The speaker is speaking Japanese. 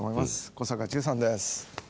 小坂忠さんです。